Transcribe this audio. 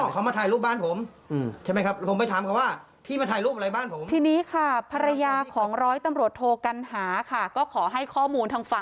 อ๋อเขามาถ่ายรูปบ้านผม